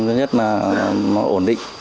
thứ nhất là nó ổn định